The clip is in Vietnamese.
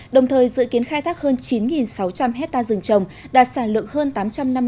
đồng thời dự kiến khai thác hơn chín sáu trăm linh hectare rừng trồng đạt sản lượng hơn tám trăm năm mươi m hai